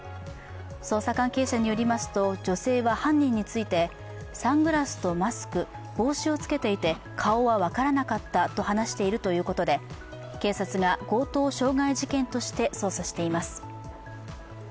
捜査関係者によりますと、女性は犯人についてサングラスとマスク、帽子をつけていて顔は分からなかったと話しているということで、警察が強盗傷害事件として捜査しています。